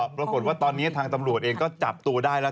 ปรากฏว่าตอนนี้ทางตำรวจเองก็จับตัวได้แล้ว